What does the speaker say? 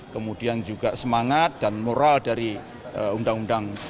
kemudian juga semangat dan moral dari undang undang